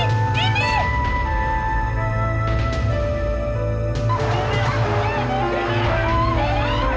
tetangga tetangga learntar